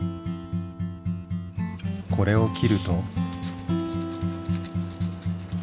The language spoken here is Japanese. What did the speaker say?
これを切ると。